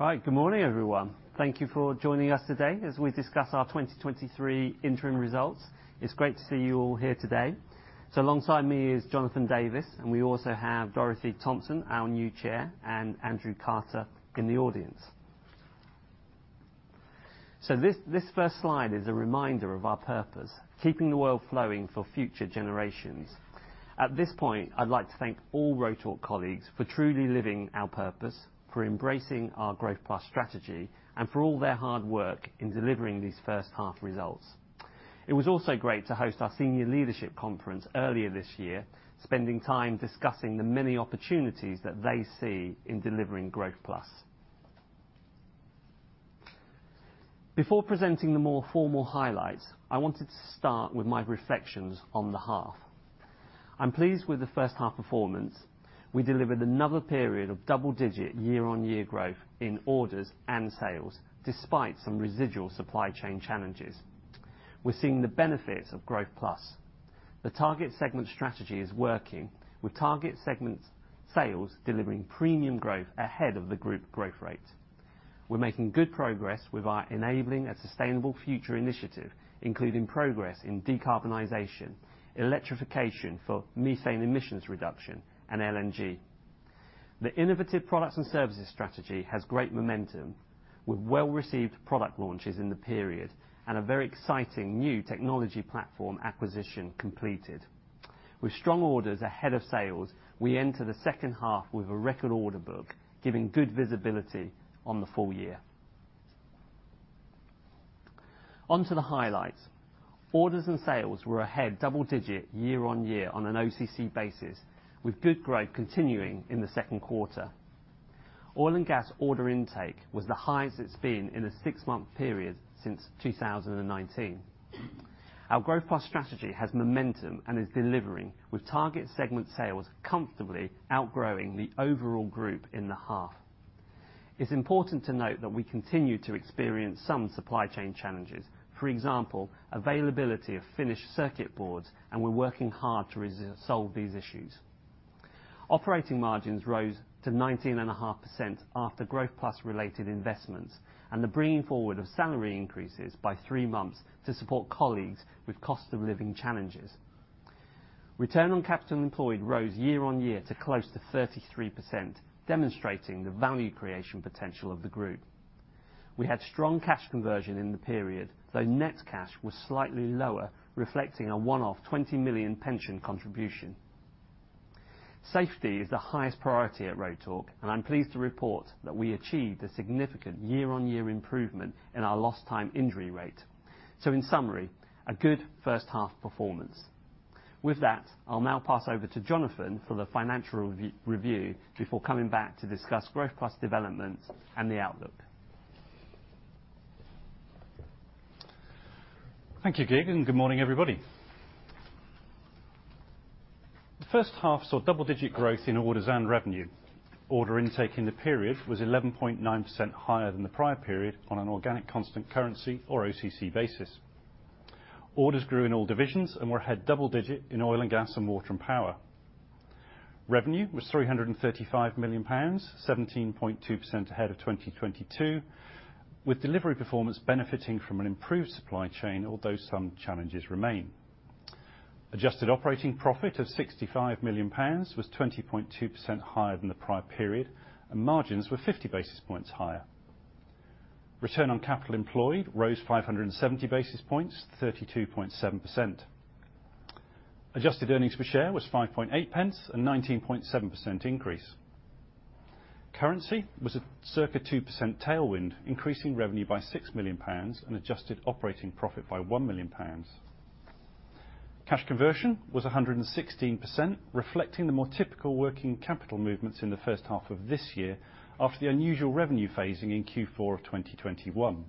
All right, good morning, everyone. Thank you for joining us today as we discuss our 2023 interim results. It's great to see you all here today. Alongside me is Jonathan Davis, and we also have Dorothy Thompson, our new Chair, and Andrew Carter in the audience. This first slide is a reminder of our purpose: keeping the world flowing for future generations. At this point, I'd like to thank all Rotork colleagues for truly living our purpose, for embracing our Growth+ strategy, and for all their hard work in delivering these first-half results. It was also great to host our senior leadership conference earlier this year, spending time discussing the many opportunities that they see in delivering Growth+. Before presenting the more formal highlights, I wanted to start with my reflections on the half. I'm pleased with the first half performance. We delivered another period of double-digit year-on-year growth in orders and sales, despite some residual supply chain challenges. We're seeing the benefits of Growth+. The target segment strategy is working, with target segment sales delivering premium growth ahead of the group growth rate. We're making good progress with our Enabling a Sustainable Future initiative, including progress in decarbonization, electrification for methane emissions reduction, and LNG. The innovative products and services strategy has great momentum, with well-received product launches in the period and a very exciting new technology platform acquisition completed. With strong orders ahead of sales, we enter the second half with a record order book, giving good visibility on the full year. On to the highlights. Orders and sales were ahead double-digit year-on-year on an OCC basis, with good growth continuing in the second quarter. Oil and gas order intake was the highest it's been in a six-month period since 2019. Our Growth+ strategy has momentum and is delivering, with target segment sales comfortably outgrowing the overall group in the half. It's important to note that we continue to experience some supply chain challenges. For example, availability of finished circuit boards, and we're working hard to resolve these issues. Operating margins rose to 19.5% after Growth+ related investments, and the bringing forward of salary increases by three months to support colleagues with cost of living challenges. Return on capital employed rose year-on-year to close to 33%, demonstrating the value creation potential of the group. We had strong cash conversion in the period, though net cash was slightly lower, reflecting a one-off 20 million pension contribution. Safety is the highest priority at Rotork. I'm pleased to report that we achieved a significant year-on-year improvement in our lost time injury rate. In summary, a good first half performance. With that, I'll now pass over to Jonathan for the financial review before coming back to discuss Growth+ developments and the outlook. Thank you, Kiet. Good morning, everybody. The first half saw double-digit growth in orders and revenue. Order intake in the period was 11.9% higher than the prior period on an organic constant currency, or OCC basis. Orders grew in all divisions and were ahead double-digit in oil and gas and water and power. Revenue was 335 million pounds, 17.2% ahead of 2022, with delivery performance benefiting from an improved supply chain, although some challenges remain. Adjusted operating profit of 65 million pounds was 20.2% higher than the prior period, and margins were 50 basis points higher. Return on capital employed rose 570 basis points, 32.7%. Adjusted earnings per share was 0.058, a 19.7% increase. Currency was a circa 2% tailwind, increasing revenue by 6 million pounds and adjusted operating profit by 1 million pounds. Cash conversion was 116%, reflecting the more typical working capital movements in the first half of this year after the unusual revenue phasing in Q4 of 2021.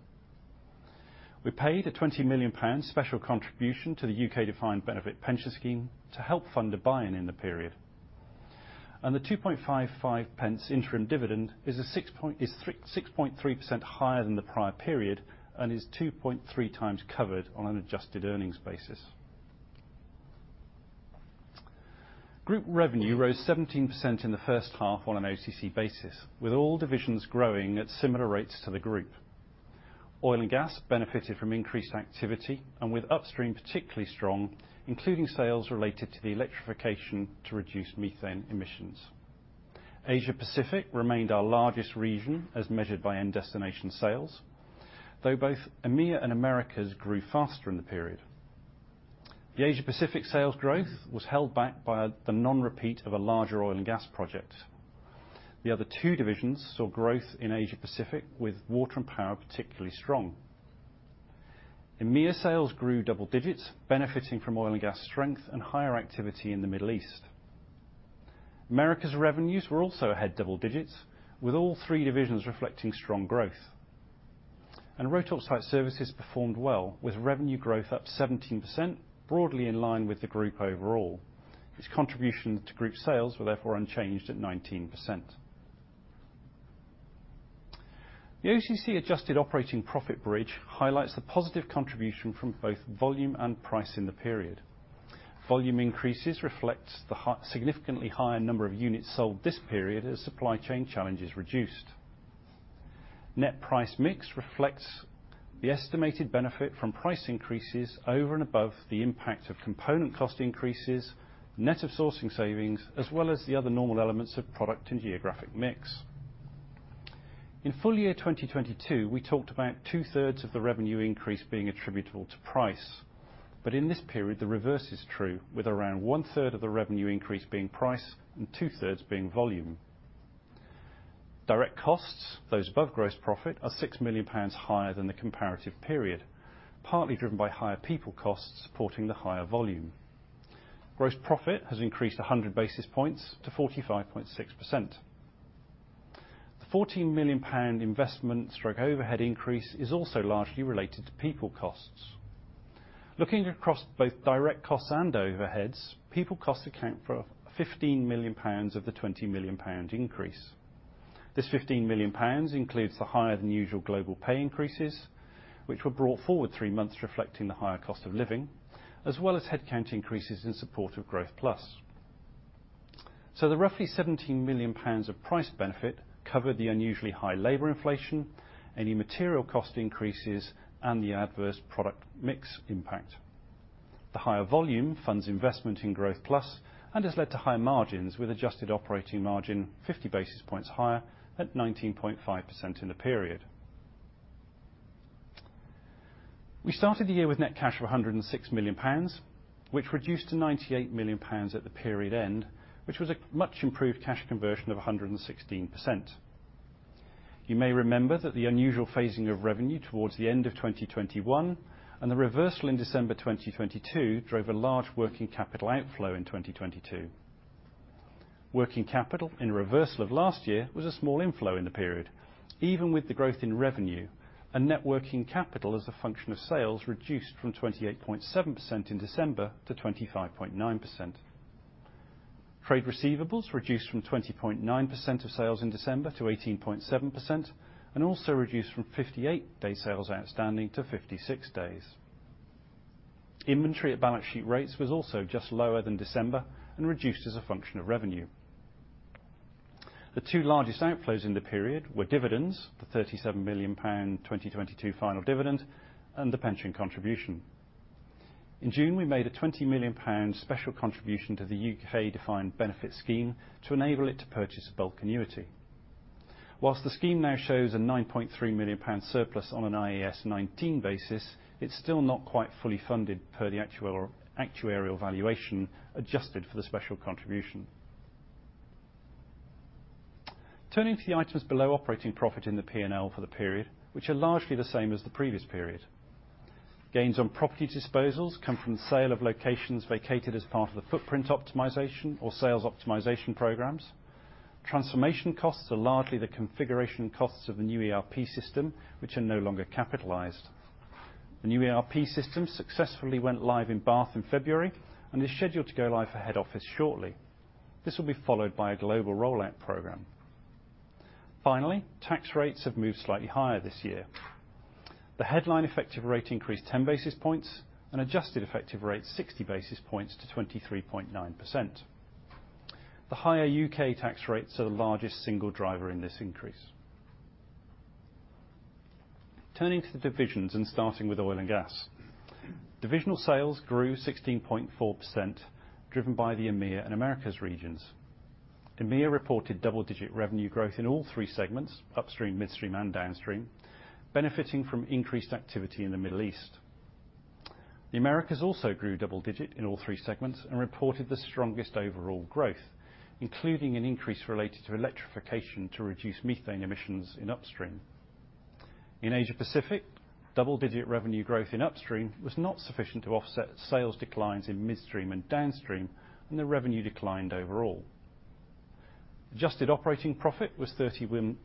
We paid a 20 million pounds special contribution to the U.K. Defined Benefit Pension Scheme to help fund a buy-in in the period. The 0.0255 interim dividend is 6.3% higher than the prior period and is 2.3 times covered on an adjusted earnings basis. Group revenue rose 17% in the first half on an OCC basis, with all divisions growing at similar rates to the group. Oil and gas benefited from increased activity and with upstream particularly strong, including sales related to the electrification to reduce methane emissions. Asia Pacific remained our largest region as measured by end destination sales, though both EMEA and Americas grew faster in the period. The Asia Pacific sales growth was held back by the non-repeat of a larger oil and gas project. The other two divisions saw growth in Asia Pacific, with water and power particularly strong. EMEA sales grew double digits, benefiting from oil and gas strength and higher activity in the Middle East. Americas revenues were also ahead double digits, with all three divisions reflecting strong growth. Rotork Site Services performed well, with revenue growth up 17%, broadly in line with the group overall. Its contribution to group sales were therefore unchanged at 19%. The OCC adjusted operating profit bridge highlights the positive contribution from both volume and price in the period. Volume increases reflects the high, significantly higher number of units sold this period as supply chain challenges reduced. Net price mix reflects the estimated benefit from price increases over and above the impact of component cost increases, net of sourcing savings, as well as the other normal elements of product and geographic mix. In full year 2022, we talked about two-thirds of the revenue increase being attributable to price. In this period, the reverse is true, with around one-third of the revenue increase being price and two-thirds being volume. Direct costs, those above gross profit, are 6 million pounds higher than the comparative period, partly driven by higher people costs supporting the higher volume. Gross profit has increased 100 basis points to 45.6%. The 14 million pound investment stroke overhead increase is also largely related to people costs. Looking across both direct costs and overheads, people costs account for 15 million pounds of the 20 million pound increase. This 15 million pounds includes the higher than usual global pay increases, which were brought forward 3 months, reflecting the higher cost of living, as well as headcount increases in support of Growth+. The roughly 17 million pounds of price benefit covered the unusually high labor inflation, any material cost increases, and the adverse product mix impact. The higher volume funds investment in Growth+, and has led to higher margins with adjusted operating margin 50 basis points higher at 19.5% in the period. We started the year with net cash of 106 million pounds, which reduced to 98 million pounds at the period end, which was a much improved cash conversion of 116%. You may remember that the unusual phasing of revenue towards the end of 2021 and the reversal in December 2022 drove a large working capital outflow in 2022. Working capital, in reversal of last year, was a small inflow in the period, even with the growth in revenue, and net working capital as a function of sales reduced from 28.7% in December to 25.9%. Trade receivables reduced from 20.9% of sales in December to 18.7%, and also reduced from 58 days sales outstanding to 56 days. Inventory at balance sheet rates was also just lower than December and reduced as a function of revenue. The two largest outflows in the period were dividends, the GBP 37 million 2022 final dividend, and the pension contribution. In June, we made a 20 million pound special contribution to the U.K. defined benefit scheme to enable it to purchase a bulk annuity. Whilst the scheme now shows a 9.3 million pound surplus on an IAS 19 basis, it's still not quite fully funded per the actuarial valuation, adjusted for the special contribution. Turning to the items below, operating profit in the P&L for the period, which are largely the same as the previous period. Gains on property disposals come from the sale of locations vacated as part of the footprint optimization or sales optimization programs. Transformation costs are largely the configuration costs of the new ERP system, which are no longer capitalized. The new ERP system successfully went live in Bath in February and is scheduled to go live for head office shortly. This will be followed by a global rollout program. Finally, tax rates have moved slightly higher this year. The headline effective rate increased 10 basis points, and adjusted effective rate 60 basis points to 23.9%. The higher UK tax rates are the largest single driver in this increase. Turning to the divisions and starting with oil and gas. Divisional sales grew 16.4%, driven by the EMEA and Americas regions. EMEA reported double-digit revenue growth in all three segments, upstream, midstream, and downstream, benefiting from increased activity in the Middle East. The Americas also grew double-digit in all three segments and reported the strongest overall growth, including an increase related to electrification to reduce methane emissions in upstream. In Asia Pacific, double-digit revenue growth in upstream was not sufficient to offset sales declines in midstream and downstream, and the revenue declined overall. Adjusted operating profit was 31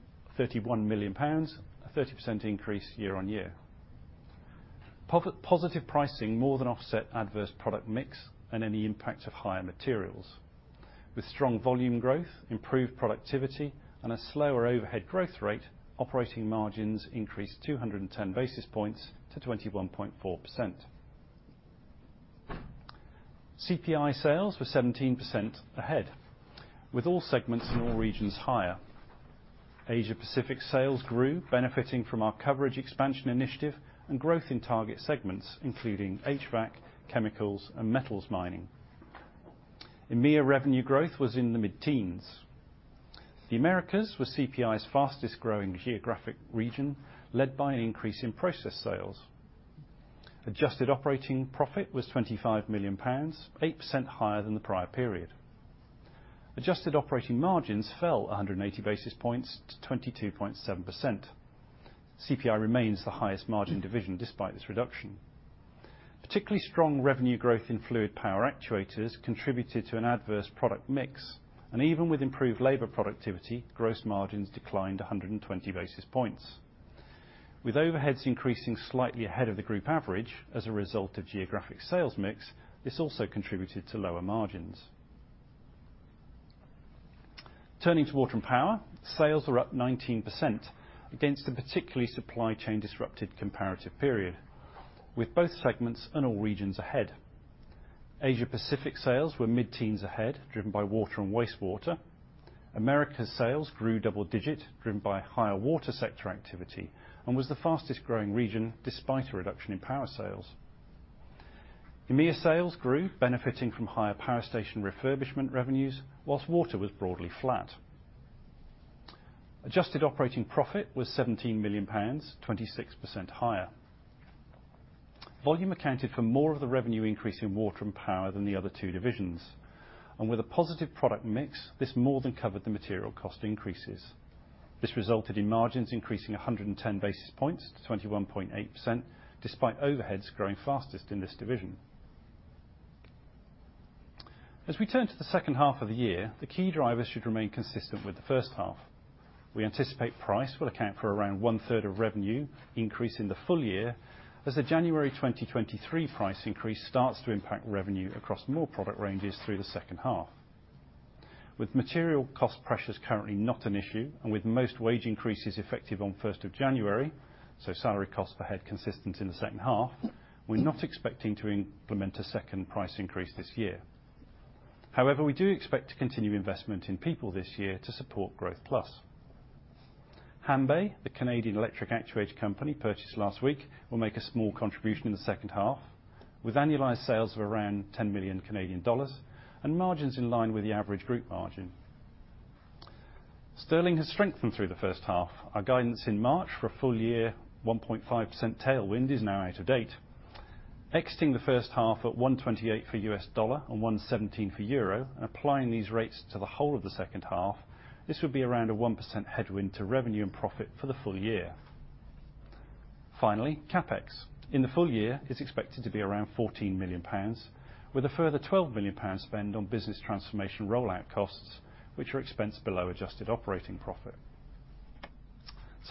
million pounds, a 30% increase year-on-year. Positive pricing more than offset adverse product mix and any impact of higher materials. With strong volume growth, improved productivity, and a slower overhead growth rate, operating margins increased 210 basis points to 21.4%. CPI sales were 17% ahead, with all segments in all regions higher. Asia Pacific sales grew, benefiting from our coverage expansion initiative and growth in target segments, including HVAC, chemicals, and metals mining. EMEA revenue growth was in the mid-teens. The Americas was CPI's fastest growing geographic region, led by an increase in process sales. Adjusted operating profit was 25 million pounds, 8% higher than the prior period. Adjusted operating margins fell 180 basis points to 22.7%. CPI remains the highest margin division despite this reduction. Particularly strong revenue growth in fluid power actuators contributed to an adverse product mix, even with improved labor productivity, gross margins declined 120 basis points. With overheads increasing slightly ahead of the group average as a result of geographic sales mix, this also contributed to lower margins. Turning to water and power, sales are up 19% against a particularly supply chain disrupted comparative period, with both segments and all regions ahead. Asia Pacific sales were mid-teens ahead, driven by water and wastewater. Americas sales grew double-digit, driven by higher water sector activity, and was the fastest growing region despite a reduction in power sales. EMEA sales grew, benefiting from higher power station refurbishment revenues, while water was broadly flat. Adjusted operating profit was 17 million pounds, 26% higher. Volume accounted for more of the revenue increase in water and power than the other two divisions, and with a positive product mix, this more than covered the material cost increases. This resulted in margins increasing 110 basis points to 21.8%, despite overheads growing fastest in this division. As we turn to the second half of the year, the key drivers should remain consistent with the first half. We anticipate price will account for around one-third of revenue increase in the full year, as the January 2023 price increase starts to impact revenue across more product ranges through the second half. With material cost pressures currently not an issue, and with most wage increases effective on first of January, so salary costs per head consistent in the second half, we're not expecting to implement a second price increase this year. However, we do expect to continue investment in people this year to support Growth+. Hanbay, the Canadian electric actuator company, purchased last week, will make a small contribution in the second half, with annualized sales of around 10 million Canadian dollars and margins in line with the average group margin. Sterling has strengthened through the first half. Our guidance in March for a full year, 1.5% tailwind, is now out of date. Exiting the first half at 1.28 for the US dollar and 1.17 for the euro, and applying these rates to the whole of the second half, this would be around a 1% headwind to revenue and profit for the full year. Finally, CapEx. In the full year, is expected to be around 14 million pounds, with a further 12 million pounds spend on business transformation rollout costs, which are expensed below adjusted operating profit.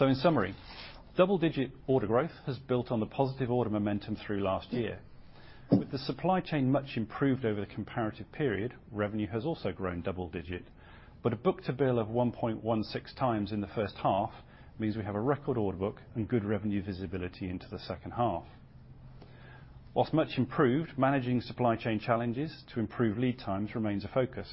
In summary, double-digit order growth has built on the positive order momentum through last year. With the supply chain much improved over the comparative period, revenue has also grown double-digit, but a book to bill of 1.16x in the first half means we have a record order book and good revenue visibility into the second half. Whilst much improved, managing supply chain challenges to improve lead times remains a focus.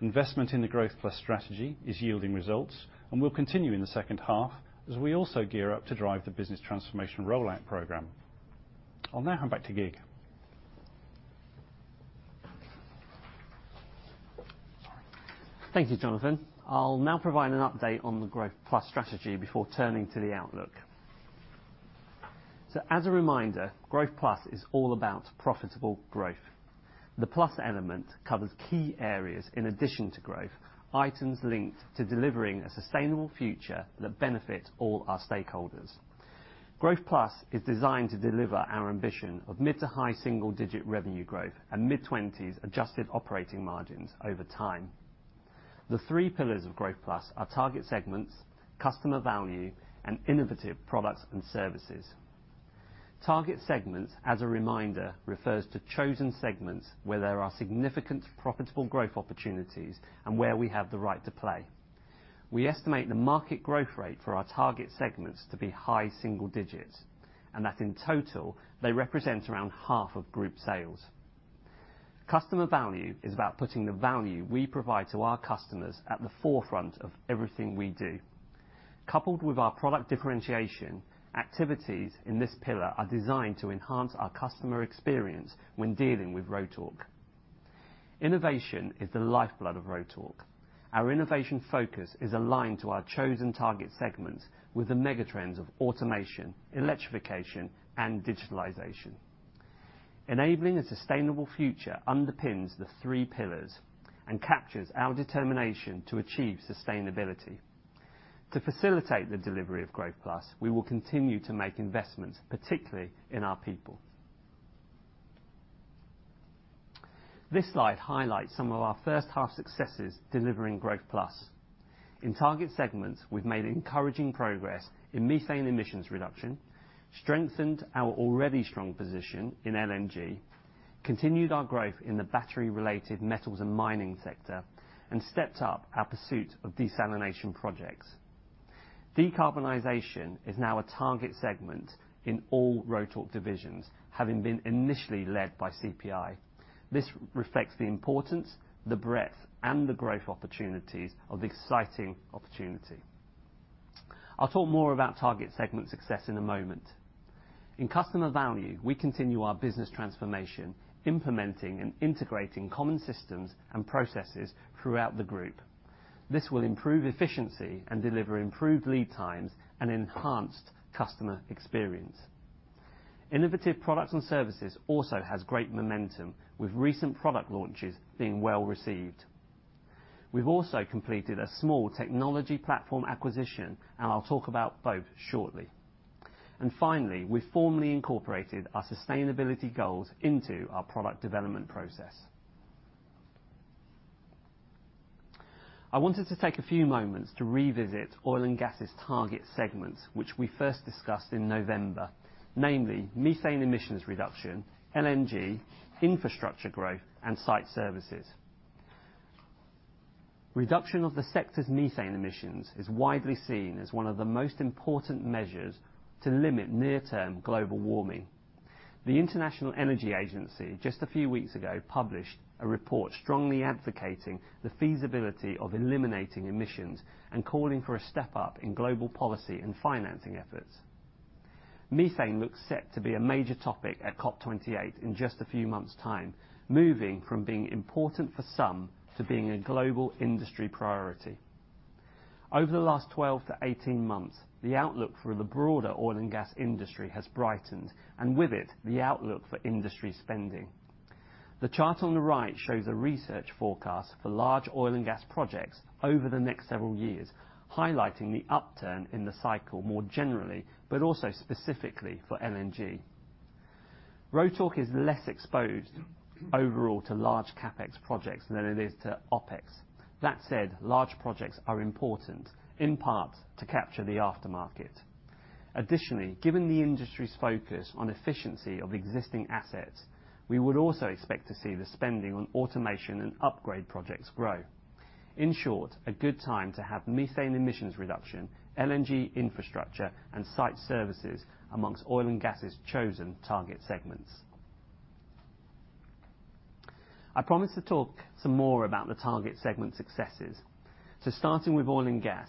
Investment in the Growth+ strategy is yielding results, and will continue in the second half as we also gear up to drive the business transformation rollout program. I'll now hand back to Kiet. Thank you, Jonathan. I'll now provide an update on the Growth+ strategy before turning to the outlook. As a reminder, Growth+ is all about profitable growth. The Plus element covers key areas in addition to growth, items linked to delivering a sustainable future that benefits all our stakeholders. Growth+ is designed to deliver our ambition of mid- to high single-digit revenue growth and mid-20s adjusted operating margins over time. The 3 pillars of Growth+ are target segments, customer value, and innovative products and services. Target segments, as a reminder, refers to chosen segments where there are significant profitable growth opportunities and where we have the right to play. We estimate the market growth rate for our target segments to be high single-digits, and that in total, they represent around half of group sales. Customer value is about putting the value we provide to our customers at the forefront of everything we do. Coupled with our product differentiation, activities in this pillar are designed to enhance our customer experience when dealing with Rotork. Innovation is the lifeblood of Rotork. Our innovation focus is aligned to our chosen target segments with the megatrends of automation, electrification, and digitalization. Enabling a sustainable future underpins the three pillars and captures our determination to achieve sustainability. To facilitate the delivery of Growth+, we will continue to make investments, particularly in our people. This slide highlights some of our first half successes delivering Growth+. In target segments, we've made encouraging progress in methane emissions reduction, strengthened our already strong position in LNG, continued our growth in the battery-related metals and mining sector, and stepped up our pursuit of desalination projects. Decarbonization is now a target segment in all Rotork divisions, having been initially led by CPI. This reflects the importance, the breadth, and the growth opportunities of this exciting opportunity. I'll talk more about target segment success in a moment. In customer value, we continue our business transformation, implementing and integrating common systems and processes throughout the group. This will improve efficiency and deliver improved lead times and enhanced customer experience. Innovative products and services also has great momentum, with recent product launches being well received. We've also completed a small technology platform acquisition, and I'll talk about both shortly. Finally, we formally incorporated our sustainability goals into our product development process. I wanted to take a few moments to revisit oil and gas's target segments, which we first discussed in November, namely, methane emissions reduction, LNG, infrastructure growth, and site services.... Reduction of the sector's methane emissions is widely seen as one of the most important measures to limit near-term global warming. The International Energy Agency, just a few weeks ago, published a report strongly advocating the feasibility of eliminating emissions and calling for a step up in global policy and financing efforts. Methane looks set to be a major topic at COP 28 in just a few months' time, moving from being important for some, to being a global industry priority. Over the last 12 to 18 months, the outlook for the broader oil and gas industry has brightened, and with it, the outlook for industry spending. The chart on the right shows a research forecast for large oil and gas projects over the next several years, highlighting the upturn in the cycle more generally, but also specifically for LNG. Rotork is less exposed overall to large CapEx projects than it is to OpEx. That said, large projects are important, in part, to capture the aftermarket. Additionally, given the industry's focus on efficiency of existing assets, we would also expect to see the spending on automation and upgrade projects grow. In short, a good time to have methane emissions reduction, LNG infrastructure, and site services amongst oil and gas's chosen target segments. I promised to talk some more about the target segment successes. Starting with oil and gas,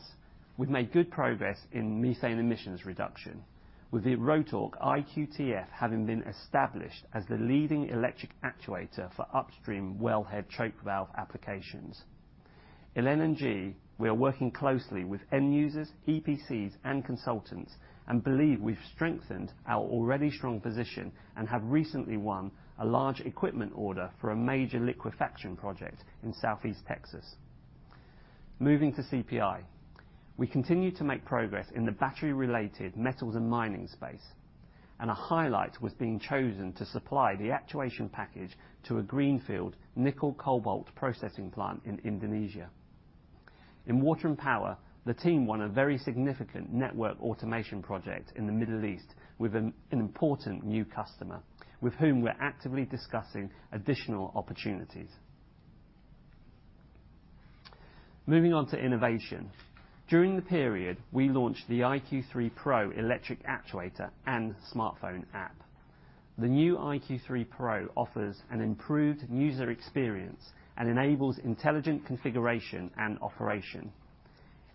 we've made good progress in methane emissions reduction, with the Rotork IQTF having been established as the leading electric actuator for upstream wellhead choke valve applications. In LNG, we are working closely with end users, EPCs, and consultants, and believe we've strengthened our already strong position and have recently won a large equipment order for a major liquefaction project in Southeast Texas. Moving to CPI, we continue to make progress in the battery-related metals and mining space, and a highlight was being chosen to supply the actuation package to a greenfield nickel cobalt processing plant in Indonesia. In water and power, the team won a very significant network automation project in the Middle East with an important new customer, with whom we're actively discussing additional opportunities. Moving on to innovation. During the period, we launched the IQ3Pro electric actuator and smartphone app. The new IQ3Pro offers an improved user experience and enables intelligent configuration and operation.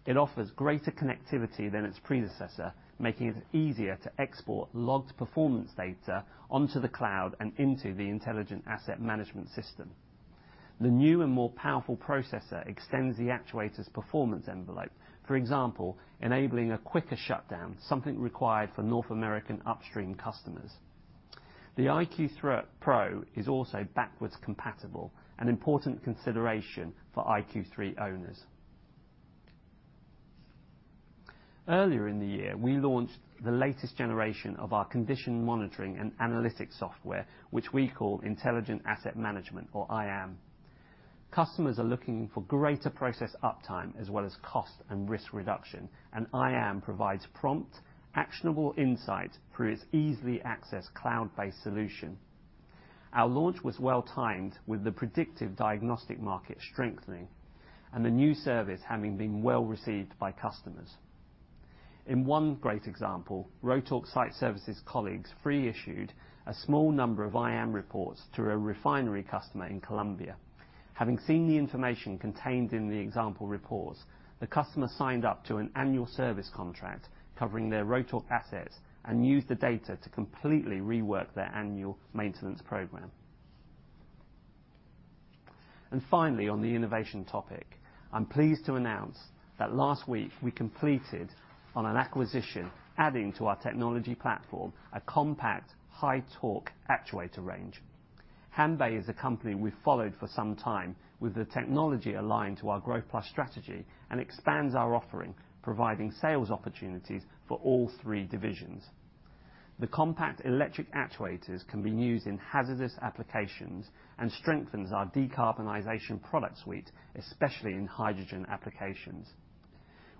It offers greater connectivity than its predecessor, making it easier to export logged performance data onto the cloud and into the Intelligent Asset Management system. The new and more powerful processor extends the actuator's performance envelope, for example, enabling a quicker shutdown, something required for North American upstream customers. The IQ3Pro is also backwards compatible, an important consideration for IQ3 owners. Earlier in the year, we launched the latest generation of our condition monitoring and analytics software, which we call Intelligent Asset Management, or IAM. Customers are looking for greater process uptime, as well as cost and risk reduction. IAM provides prompt, actionable insight through its easily accessed cloud-based solution. Our launch was well timed, with the predictive diagnostic market strengthening and the new service having been well received by customers. In one great example, Rotork Site Services colleagues pre-issued a small number of IAM reports to a refinery customer in Colombia. Having seen the information contained in the example reports, the customer signed up to an annual service contract covering their Rotork assets and used the data to completely rework their annual maintenance program. Finally, on the innovation topic, I'm pleased to announce that last week, we completed on an acquisition, adding to our technology platform, a compact high torque actuator range. Hanbay is a company we've followed for some time with the technology aligned to our Growth+ strategy and expands our offering, providing sales opportunities for all three divisions. The compact electric actuators can be used in hazardous applications and strengthens our decarbonization product suite, especially in hydrogen applications.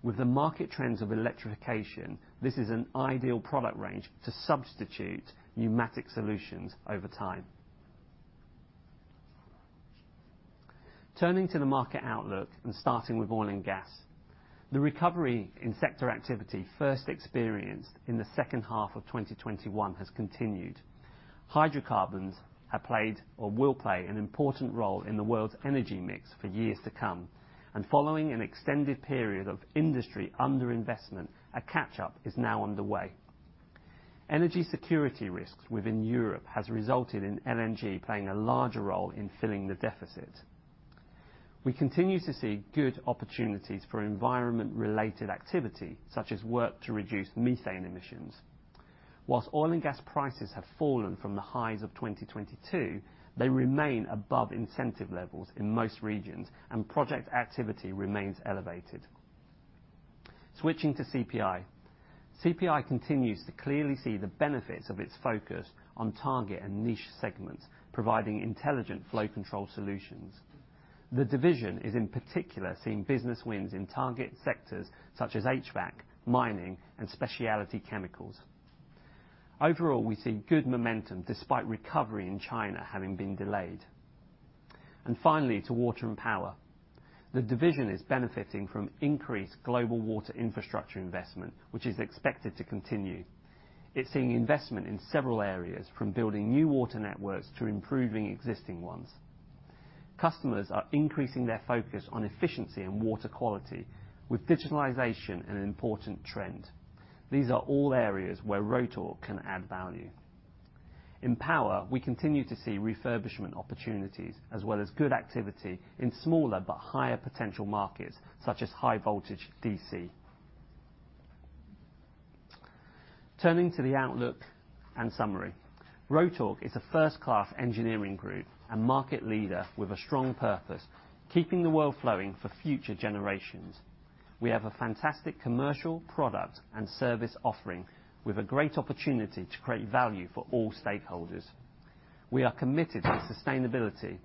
With the market trends of electrification, this is an ideal product range to substitute pneumatic solutions over time. Turning to the market outlook and starting with oil and gas. The recovery in sector activity, first experienced in the second half of 2021, has continued. Hydrocarbons have played or will play an important role in the world's energy mix for years to come, and following an extended period of industry underinvestment, a catch-up is now underway. Energy security risks within Europe has resulted in LNG playing a larger role in filling the deficit. We continue to see good opportunities for environment-related activity, such as work to reduce methane emissions. While oil and gas prices have fallen from the highs of 2022, they remain above incentive levels in most regions, and project activity remains elevated. Switching to CPI. CPI continues to clearly see the benefits of its focus on target and niche segments, providing intelligent flow control solutions. The division is, in particular, seeing business wins in target sectors such as HVAC, mining, and specialty chemicals. Overall, we see good momentum despite recovery in China having been delayed. Finally, to water and power. The division is benefiting from increased global water infrastructure investment, which is expected to continue. It's seeing investment in several areas, from building new water networks to improving existing ones. Customers are increasing their focus on efficiency and water quality, with digitalization an important trend. These are all areas where Rotork can add value. In power, we continue to see refurbishment opportunities as well as good activity in smaller but higher potential markets such as high voltage D.C. Turning to the outlook and summary, Rotork is a first-class engineering group and market leader with a strong purpose, keeping the world flowing for future generations. We have a fantastic commercial product and service offering, with a great opportunity to create value for all stakeholders. We are committed to sustainability,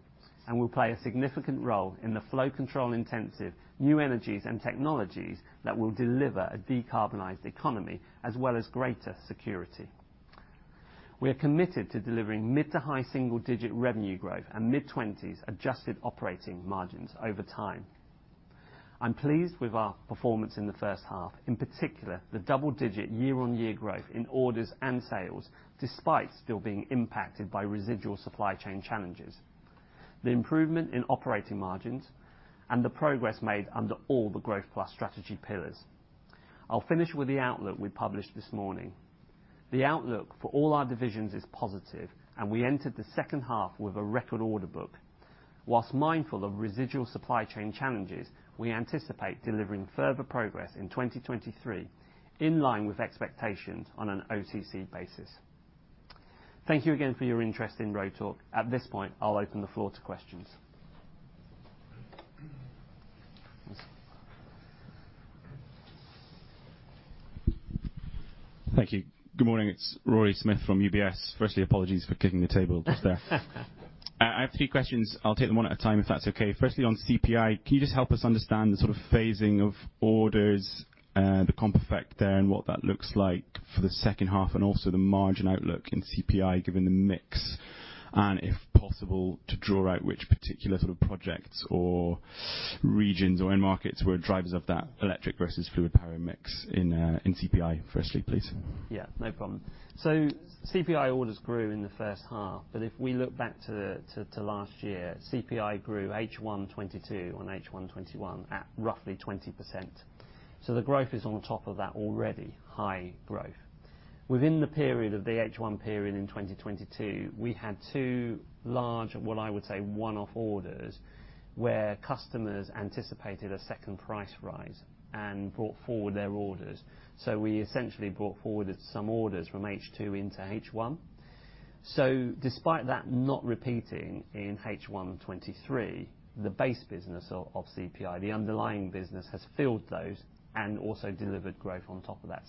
we play a significant role in the flow control intensive, new energies and technologies that will deliver a decarbonized economy as well as greater security. We are committed to delivering mid to high single-digit revenue growth and mid-20s adjusted operating margins over time. I'm pleased with our performance in the first half, in particular, the double-digit year-on-year growth in orders and sales, despite still being impacted by residual supply chain challenges, the improvement in operating margins and the progress made under all the Growth+ strategy pillars. I'll finish with the outlook we published this morning. The outlook for all our divisions is positive, we entered the second half with a record order book. Whilst mindful of residual supply chain challenges, we anticipate delivering further progress in 2023, in line with expectations on an OTC basis. Thank you again for your interest in Rotork. At this point, I'll open the floor to questions. Thank you. Good morning, it's Rory Smith from UBS. Firstly, apologies for kicking the table just there. I have three questions. I'll take them one at a time, if that's okay. Firstly, on CPI, can you just help us understand the sort of phasing of orders, the comp effect there, and what that looks like for the second half, and also the margin outlook in CPI, given the mix, and if possible, to draw out which particular sort of projects or regions or end markets were drivers of that electric versus fluid power mix in CPI, firstly, please? Yeah, no problem. CPI orders grew in the first half, but if we look back to last year, CPI grew H1 2022 on H1 2021 at roughly 20%. The growth is on top of that already high growth. Within the period of the H1 period in 2022, we had two large, what I would say, one-off orders, where customers anticipated a second price rise and brought forward their orders. We essentially brought forward some orders from H2 into H1. Despite that not repeating in H1 2023, the base business of CPI, the underlying business, has filled those and also delivered growth on top of that.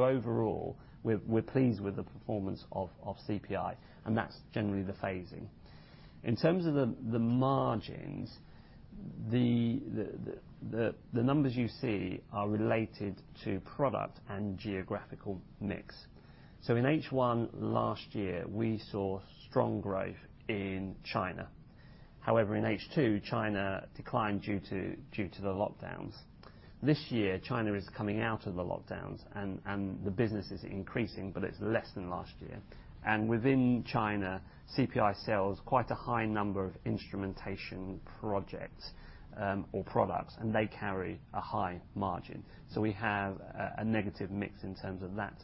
Overall, we're pleased with the performance of CPI, and that's generally the phasing. In terms of the margins, the numbers you see are related to product and geographical mix. In H1 last year, we saw strong growth in China. However, in H2, China declined due to the lockdowns. This year, China is coming out of the lockdowns and the business is increasing, but it's less than last year. Within China, CPI sells quite a high number of instrumentation projects or products, and they carry a high margin, so we have a negative mix in terms of that.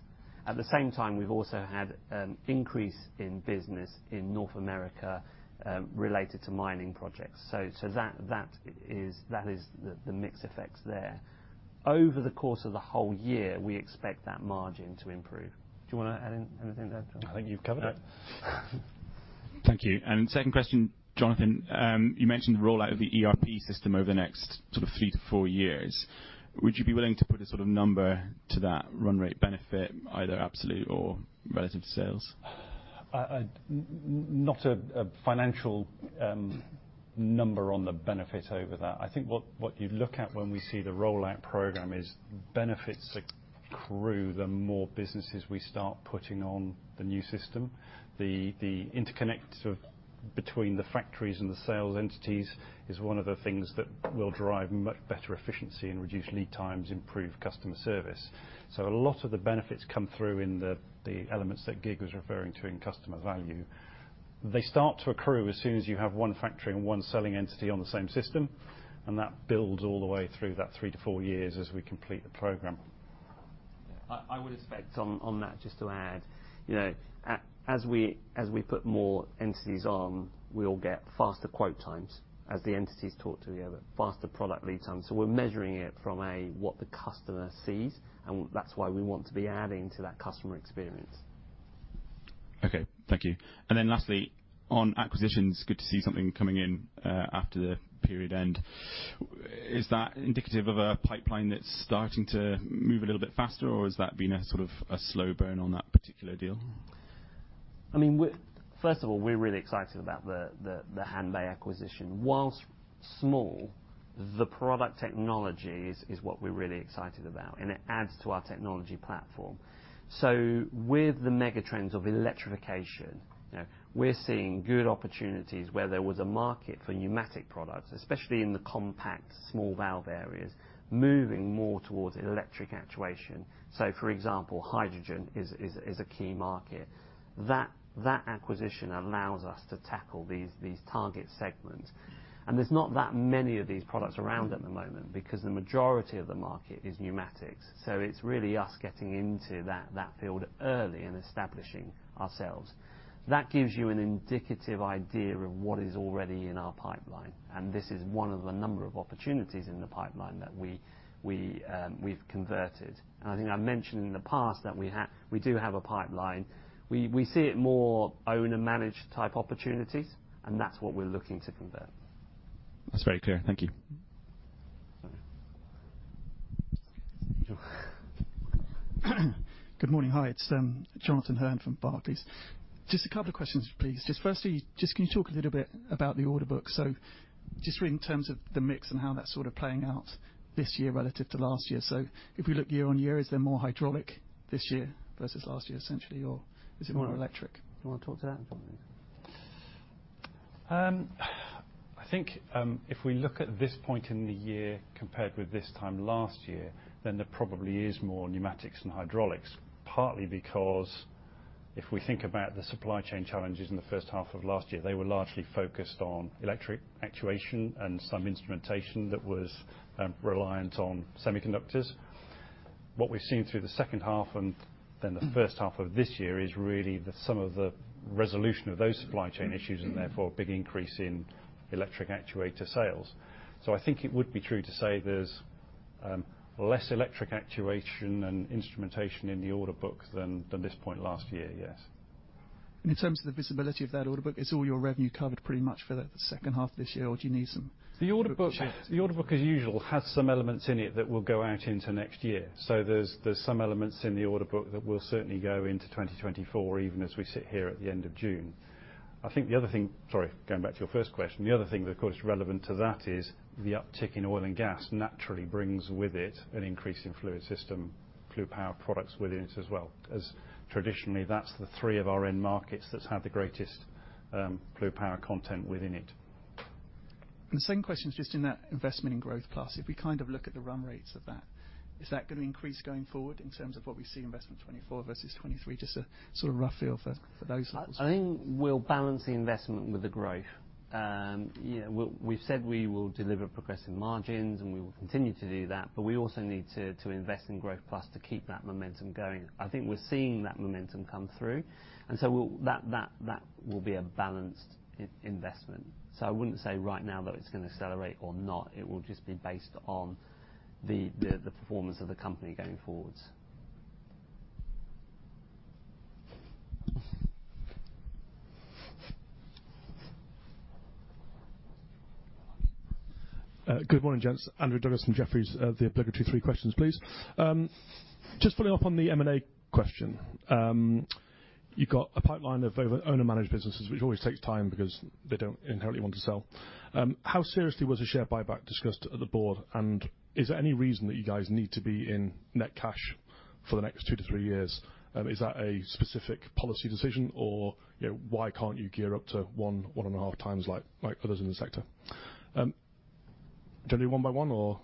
At the same time, we've also had an increase in business in North America related to mining projects. That is the mix effects there. Over the course of the whole year, we expect that margin to improve. Do you want to add in anything there, John? I think you've covered it. Thank you. Second question, Jonathan, you mentioned the rollout of the ERP system over the next sort of 3 to 4 years. Would you be willing to put a sort of number to that run rate benefit, either absolute or relative to sales? Not a financial number on the benefit over that. I think what you'd look at when we see the rollout program is benefits accrue the more businesses we start putting on the new system. The interconnect of between the factories and the sales entities is one of the things that will drive much better efficiency and reduce lead times, improve customer service. A lot of the benefits come through in the elements that Kiet was referring to in customer value. They start to accrue as soon as you have one factory and one selling entity on the same system, and that builds all the way through that 3 to 4 years as we complete the program. I, I would expect on, on that, just to add, you know, as we, as we put more entities on, we'll get faster quote times as the entities talk to the other, faster product lead time. We're measuring it from a, what the customer sees, and that's why we want to be adding to that customer experience. Okay, thank you. Then lastly, on acquisitions, good to see something coming in after the period end. Is that indicative of a pipeline that's starting to move a little bit faster, or has that been a sort of a slow burn on that particular deal? I mean, we're, first of all, we're really excited about the, the, the Hanbay acquisition. While small, the product technology is, is what we're really excited about, and it adds to our technology platform. With the mega trends of electrification, you know, we're seeing good opportunities where there was a market for pneumatic products, especially in the compact small valve areas, moving more towards electric actuation. For example, hydrogen is, is, is a key market. That, that acquisition allows us to tackle these, these target segments, and there's not that many of these products around at the moment because the majority of the market is pneumatics. It's really us getting into that, that field early and establishing ourselves. That gives you an indicative idea of what is already in our pipeline. This is one of a number of opportunities in the pipeline that we, we, we've converted. I think I mentioned in the past that we do have a pipeline. We, we see it more own and managed type opportunities, and that's what we're looking to convert. That's very clear. Thank you. Good morning. Hi, it's Jonathan Hearn from Barclays. Just 2 questions, please. Firstly, can you talk a little bit about the order book? In terms of the mix and how that's sort of playing out this year relative to last year. If we look year-on-year, is there more hydraulic this year versus last year, essentially, or is it more electric? You wanna talk to that? I think, if we look at this point in the year compared with this time last year, then there probably is more pneumatics than hydraulics, partly because if we think about the supply chain challenges in the first half of last year, they were largely focused on electric actuation and some instrumentation that was reliant on semiconductors. What we've seen through the second half and then the first half of this year is really the some of the resolution of those supply chain issues, and therefore, a big increase in electric actuator sales. I think it would be true to say there's less electric actuation and instrumentation in the order book than, than this point last year, yes. In terms of the visibility of that order book, is all your revenue covered pretty much for the second half of this year, or do you need some- The order book- Yeah. The order book, as usual, has some elements in it that will go out into next year. There's some elements in the order book that will certainly go into 2024, even as we sit here at the end of June. I think the other thing. Sorry, going back to your first question. The other thing that, of course, is relevant to that is the uptick in oil and gas naturally brings with it an increase in fluid system, flu power products within it as well, as traditionally, that's the three of our end markets that's had the greatest, flu power content within it. The second question is just in that investment in Growth+. If we kind of look at the run rates of that, is that gonna increase going forward in terms of what we've seen, investment 2024 versus 2023? Just a sort of rough feel for, for those levels? I think we'll balance the investment with the growth. you know, we, we've said we will deliver progressive margins, and we will continue to do that, but we also need to, to invest in Growth+ to keep that momentum going. I think we're seeing that momentum come through, and so we'll... That, that, that will be a balanced investment. I wouldn't say right now that it's gonna accelerate or not. It will just be based on the, the, the performance of the company going forward. Good morning, gents. Andrew Douglas from Jefferies. The obligatory 3 questions, please. Just following up on the M&A question, you've got a pipeline of owner-managed businesses, which always takes time because they don't inherently want to sell. How seriously was the share buyback discussed at the board? Is there any reason that you guys need to be in net cash for the next 2-3 years? Is that a specific policy decision, or, you know, why can't you gear up to 1, 1.5 times like, like others in the sector? Do you wanna do 1 by 1 or-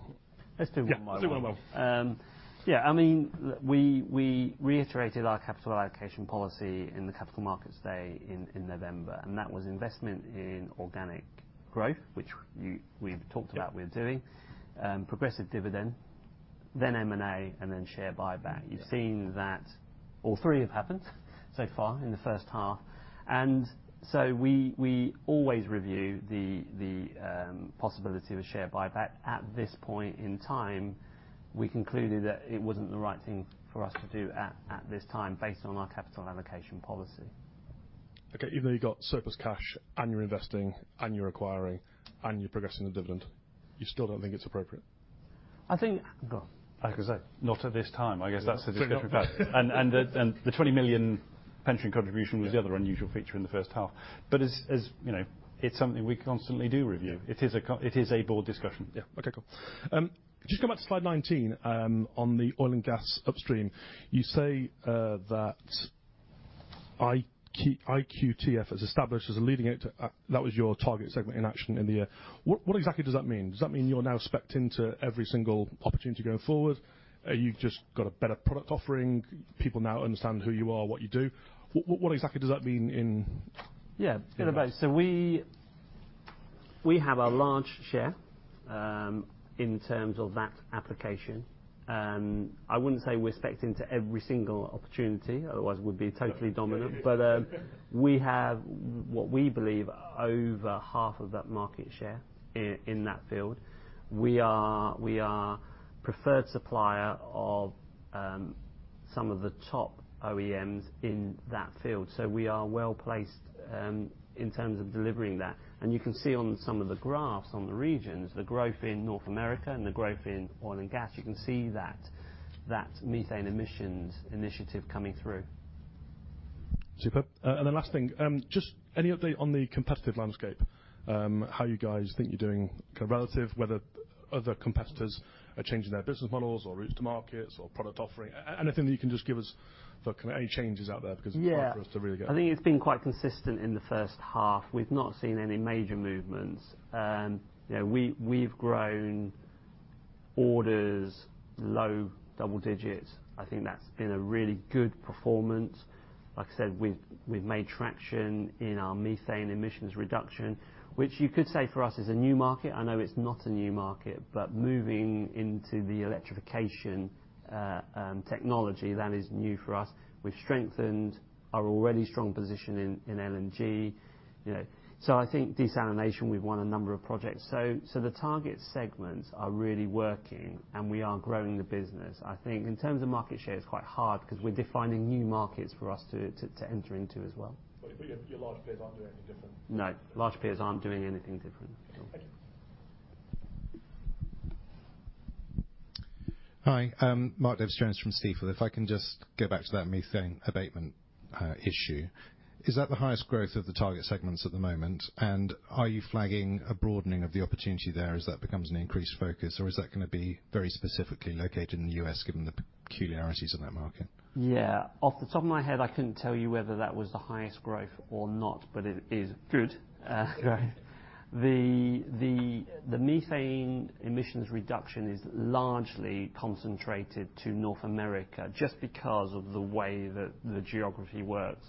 Let's do one by one. Yeah, let's do one by one. Yeah, I mean, we, we reiterated our capital allocation policy in the capital markets day in, in November, and that was investment in organic growth, which we've talked about. Yeah we're doing, progressive dividend, then M&A, and then share buyback. Yeah. You've seen that all three have happened so far in the first half. We, we always review the, the possibility of a share buyback. At this point in time, we concluded that it wasn't the right thing for us to do at, at this time, based on our capital allocation policy. Okay, even though you've got surplus cash, and you're investing, and you're acquiring, and you're progressing the dividend, you still don't think it's appropriate? I think, go on. I was gonna say, not at this time. I guess that's the different fact. Very good. The 20 million pension contribution was the other unusual feature in the first half. As, you know, it's something we constantly do review. It is a board discussion. Yeah. Okay, cool. Just come back to slide 19, on the oil and gas upstream. You say, that IQ, IQTF has established as a leading it... That was your target segment in action in the year. What, what exactly does that mean? Does that mean you're now spec'd into every single opportunity going forward? You've just got a better product offering, people now understand who you are, what you do? What, what, exactly does that mean in- Yeah, in a way. We, we have a large share in terms of that application, I wouldn't say we're spec'd into every single opportunity, otherwise, we'd be totally dominant. Yeah. We have what we believe, over half of that market share in that field. We are, we are preferred supplier of some of the top OEMs in that field, so we are well placed in terms of delivering that. You can see on some of the graphs on the regions, the growth in North America and the growth in oil and gas, you can see that methane emissions initiative coming through.... Super. Then last thing, just any update on the competitive landscape? How you guys think you're doing kind of relative, whether other competitors are changing their business models or routes to markets or product offering? Anything that you can just give us for any changes out there, because it's hard for us to really get- Yeah, I think it's been quite consistent in the first half. We've not seen any major movements. You know, we, we've grown orders low double digits. I think that's been a really good performance. Like I said, we've, we've made traction in our methane emissions reduction, which you could say for us is a new market. I know it's not a new market, but moving into the electrification technology, that is new for us. We've strengthened our already strong position in, in LNG, you know. I think desalination, we've won a number of projects. The target segments are really working, and we are growing the business. I think in terms of market share, it's quite hard because we're defining new markets for us to, to, to enter into as well. Your, your large players aren't doing anything different? No, large players aren't doing anything different. Thank you. Hi, Mark Davies-Jones from Stifel. If I can just go back to that methane abatement issue, is that the highest growth of the target segments at the moment? Are you flagging a broadening of the opportunity there as that becomes an increased focus, or is that going to be very specifically located in the U.S., given the peculiarities of that market? Yeah. Off the top of my head, I couldn't tell you whether that was the highest growth or not, but it is good. The methane emissions reduction is largely concentrated to North America just because of the way that the geography works.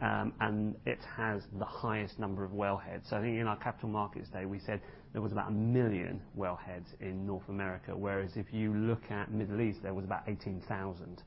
And it has the highest number of wellheads. I think in our capital markets day, we said there was about 1 million wellheads in North America, whereas if you look at Middle East, there was about 18,000.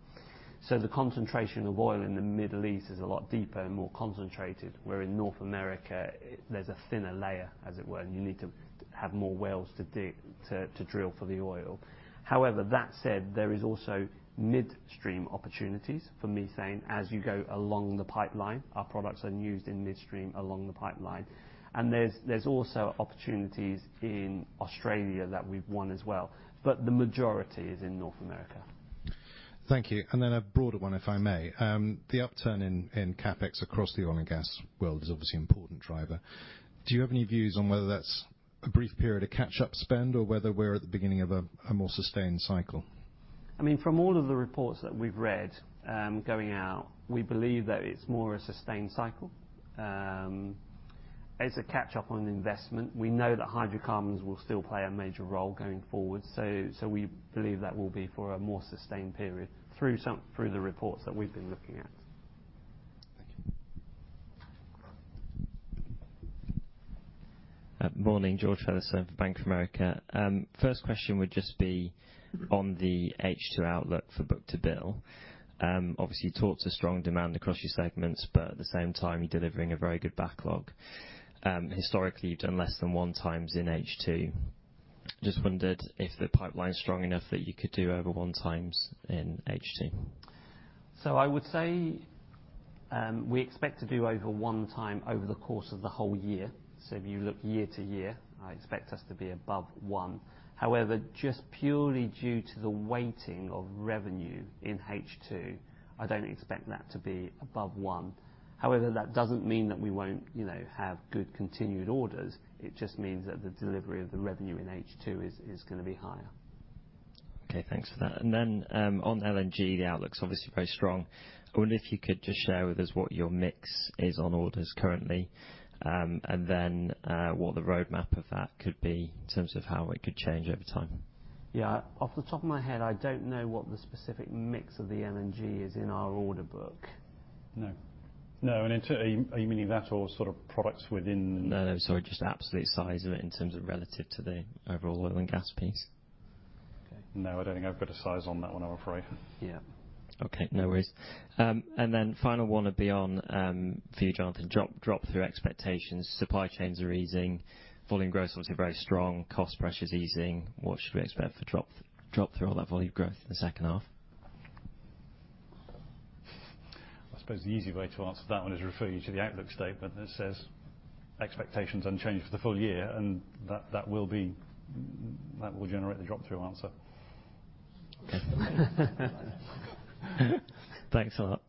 The concentration of oil in the Middle East is a lot deeper and more concentrated, where in North America, there's a thinner layer, as it were, and you need to have more wells to dig, to drill for the oil. However, that said, there is also midstream opportunities for methane as you go along the pipeline. Our products are used in midstream, along the pipeline, and there's, there's also opportunities in Australia that we've won as well, but the majority is in North America. Thank you. Then a broader one, if I may. The upturn in CapEx across the oil and gas world is obviously an important driver. Do you have any views on whether that's a brief period of catch-up spend or whether we're at the beginning of a more sustained cycle? I mean, from all of the reports that we've read, going out, we believe that it's more a sustained cycle. It's a catch-up on investment. We know that hydrocarbons will still play a major role going forward, so, so we believe that will be for a more sustained period through the reports that we've been looking at. Thank you. Morning, George Henderson for Bank of America. First question would just be on the H2 outlook for book to bill. Obviously, you talked a strong demand across your segments, but at the same time, you're delivering a very good backlog. Historically, you've done less than 1x in H2. Just wondered if the pipeline is strong enough that you could do over 1x in H2? I would say, we expect to do over one time over the course of the whole year. If you look year to year, I expect us to be above one. Just purely due to the weighting of revenue in H2, I don't expect that to be above one. That doesn't mean that we won't, you know, have good continued orders. It just means that the delivery of the revenue in H2 is going to be higher. Okay, thanks for that. Then, on LNG, the outlook's obviously very strong. I wonder if you could just share with us what your mix is on orders currently, and then, what the roadmap of that could be in terms of how it could change over time. Yeah. Off the top of my head, I don't know what the specific mix of the LNG is in our order book. No. No, in terms, are you, are you meaning that or sort of products within? No, no, sorry, just the absolute size of it in terms of relative to the overall oil and gas piece. Okay. No, I don't think I've got a size on that one, I'm afraid. Yeah. Okay, no worries. Final one would be on, for you, Jonathan, drop-through expectations, supply chains are easing, volume growth, obviously very strong, cost pressures easing, what should we expect for drop-through on that volume growth in the second half? I suppose the easy way to answer that one is refer you to the outlook statement that says, "Expectations unchanged for the full year," and that, that will be, that will generate the drop-through answer. Thanks a lot.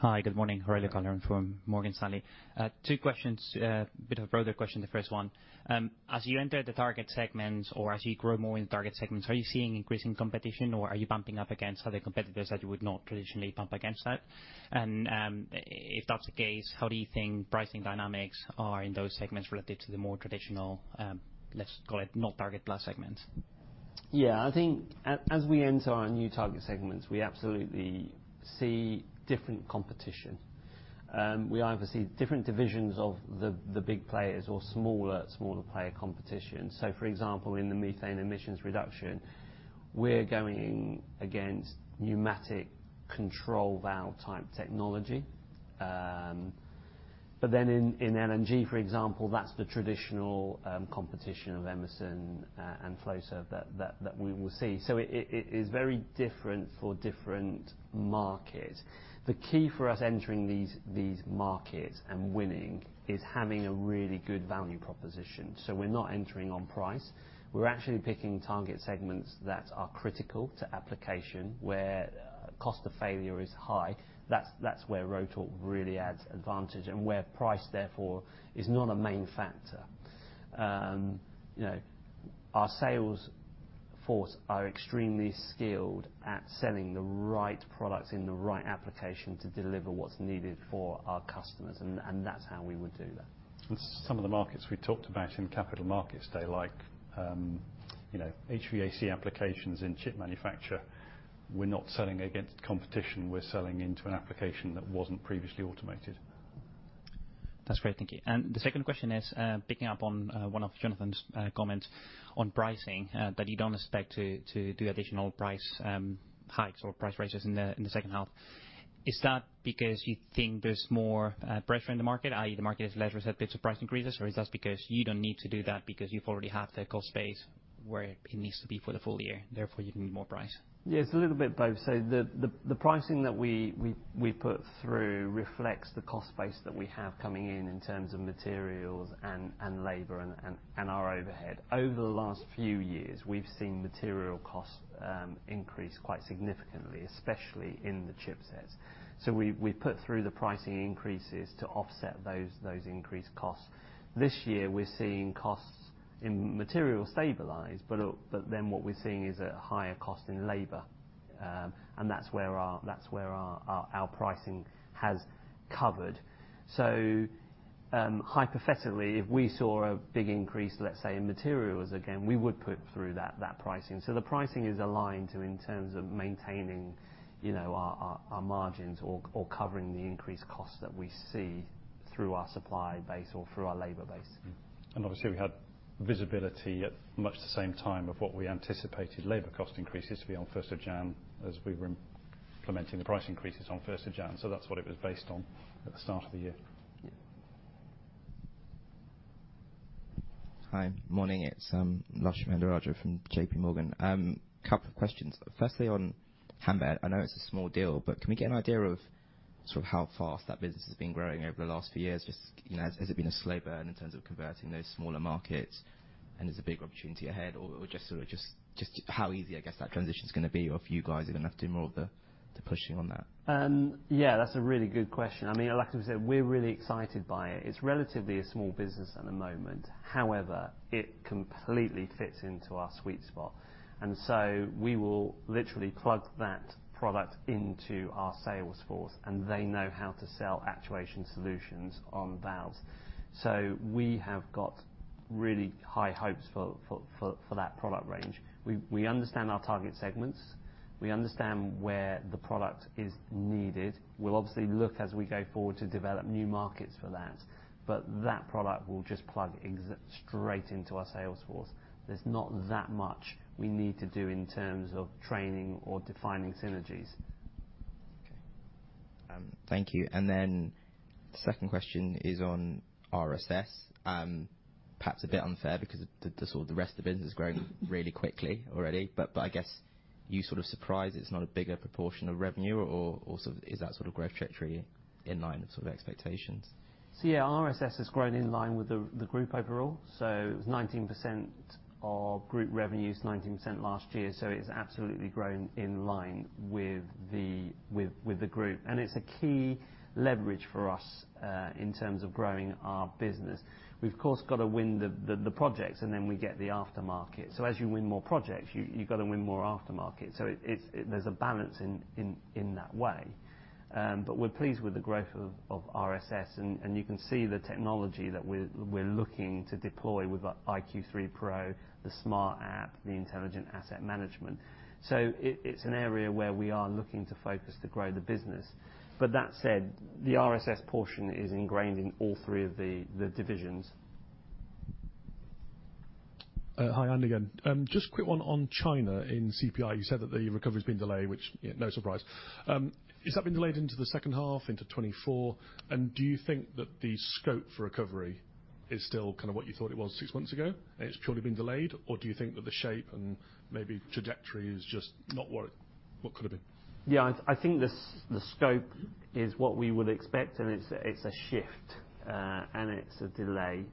Hi, good morning. Aurelio Calderon from Morgan Stanley. Two questions, bit of a broader question the first one. As you enter the target segments or as you grow more in target segments, are you seeing increasing competition, or are you bumping up against other competitors that you would not traditionally bump against that? If that's the case, how do you think pricing dynamics are in those segments related to the more traditional, let's call it, not target plus segments? Yeah, I think as we enter our new target segments, we absolutely see different competition. We either see different divisions of the big players or smaller, smaller player competition. For example, in the methane emissions reduction, we're going against pneumatic control valve type technology. Then in LNG, for example, that's the traditional competition of Emerson and Flowserve that we will see. It is very different for different markets. The key for us entering these markets and winning is having a really good value proposition. We're not entering on price. We're actually picking target segments that are critical to application, where cost of failure is high. That's where Rotork really adds advantage and where price, therefore, is not a main factor. you know, our sales force are extremely skilled at selling the right products in the right application to deliver what's needed for our customers, and that's how we would do that. With some of the markets we talked about in capital markets, they like, you know, HVAC applications in chip manufacture. We're not selling against competition. We're selling into an application that wasn't previously automated. That's great. Thank you. The second question is picking up on one of Jonathan's comments on pricing that you don't expect to, to do additional price hikes or price raises in the, in the second half. Is that because you think there's more pressure in the market, i.e., the market is less receptive to price increases? Or is that because you don't need to do that because you've already had the cost base where it needs to be for the full year, therefore, you need more price? Yeah, it's a little bit both. The pricing that we put through reflects the cost base that we have coming in, in terms of materials and labor and our overhead. Over the last few years, we've seen material costs increase quite significantly, especially in the chipsets. We put through the pricing increases to offset those increased costs. This year, we're seeing costs in material stabilize, but then what we're seeing is a higher cost in labor. That's where our pricing has covered. Hypothetically, if we saw a big increase, let's say, in materials again, we would put through that pricing. The pricing is aligned to in terms of maintaining, you know, our, our, our margins or, or covering the increased costs that we see through our supply base or through our labor base. Obviously, we had visibility at much the same time of what we anticipated labor cost increases to be on first of January, as we were implementing the price increases on first of January. That's what it was based on at the start of the year. Yeah. Hi, morning. It's Akshat Kacker from JPMorgan. Couple of questions. Firstly, on Handtmann, I know it's a small deal, but can we get an idea of sort of how fast that business has been growing over the last few years? Just, you know, has it been a slow burn in terms of converting those smaller markets, and there's a big opportunity ahead, or just sort of just how easy, I guess, that transition is gonna be, or if you guys are gonna have to do more of the pushing on that? Yeah, that's a really good question. I mean, like I said, we're really excited by it. It's relatively a small business at the moment. However, it completely fits into our sweet spot, and so we will literally plug that product into our sales force, and they know how to sell actuation solutions on valves. We have got really high hopes for that product range. We understand our target segments. We understand where the product is needed. We'll obviously look as we go forward to develop new markets for that, but that product will just plug straight into our sales force. There's not that much we need to do in terms of training or defining synergies. Okay. Thank you. Second question is on RSS. Perhaps a bit unfair because the sort of the rest of business is growing really quickly already, but I guess you sort of surprised it's not a bigger proportion of revenue, or so is that sort of growth trajectory in line with sort of expectations? Yeah, RSS has grown in line with the group overall. 19% of group revenue is 19% last year, so it's absolutely grown in line with the group. It's a key leverage for us in terms of growing our business. We've, of course, got to win the projects, and then we get the aftermarket. As you win more projects, you got to win more aftermarket. It's, there's a balance in that way. We're pleased with the growth of RSS, and you can see the technology that we're looking to deploy with IQ3 Pro, the smart app, the intelligent asset management. It's an area where we are looking to focus to grow the business. That said, the RSS portion is ingrained in all three of the, the divisions. Hi, Andy again. Just a quick one on China in CPI. You said that the recovery's been delayed, which, yeah, no surprise. Has that been delayed into the second half, into 2024? Do you think that the scope for recovery is still kind of what you thought it was six months ago, and it's purely been delayed, or do you think that the shape and maybe trajectory is just not what it, what could have been? Yeah, I, I think the scope is what we would expect, and it's, it's a shift, and it's a delay.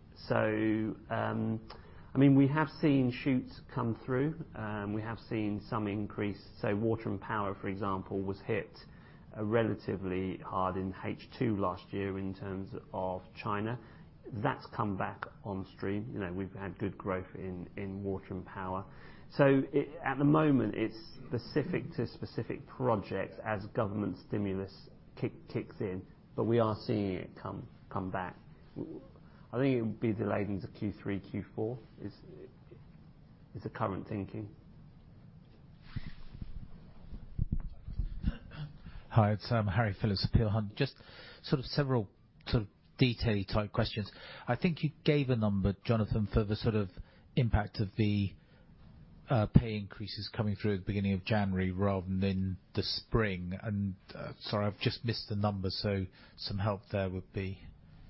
I mean, we have seen shoots come through, and we have seen some increase. Say, water and power, for example, was hit relatively hard in H2 last year in terms of China. That's come back on stream. You know, we've had good growth in, in water and power. It, at the moment, it's specific to specific projects as government stimulus kick, kicks in, but we are seeing it come, come back. I think it would be delayed into Q3, Q4, is, is the current thinking. Hi, it's Harry Phillips at Peel Hunt. Just sort of several sort of detail-type questions. I think you gave a number, Jonathan, for the sort of impact of the-... pay increases coming through at the beginning of January rather than the spring? Sorry, I've just missed the numbers, so some help there would be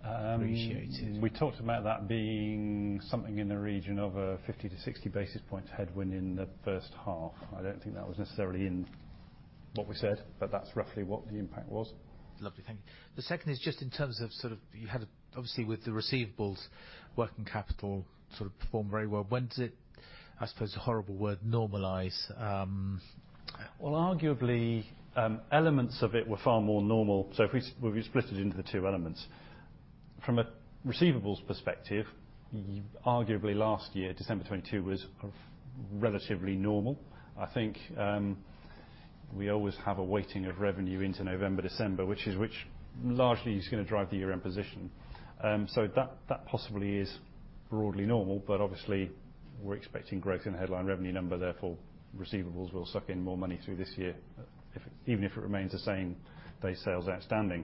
appreciated. We talked about that being something in the region of a 50 to 60 basis points headwind in the first half. I don't think that was necessarily in what we said, but that's roughly what the impact was. Lovely. Thank you. The second is just in terms of, sort of, you had, obviously, with the receivables, working capital sort of performed very well. When did it, I suppose, a horrible word, normalize? Arguably, elements of it were far more normal, so if we, we split it into the 2 elements. From a receivables perspective, arguably last year, December 2022, was of relatively normal. I think, we always have a weighting of revenue into November, December, which is, which largely is gonna drive the year-end position. So that, that possibly is broadly normal, but obviously, we're expecting growth in the headline revenue number, therefore, receivables will suck in more money through this year, if, even if it remains the same day sales outstanding.